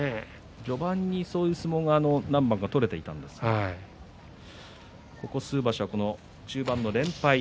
序盤にそういう相撲が何番か取れていたんですがここ数場所は中盤の連敗